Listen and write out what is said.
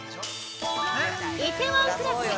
「梨泰院クラス」。